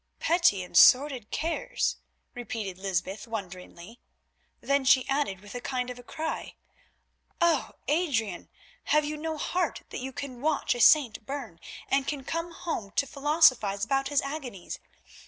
"Petty and sordid cares!" repeated Lysbeth wonderingly, then she added with a kind of cry: "Oh! Adrian, have you no heart that you can watch a saint burn and come home to philosophise about his agonies?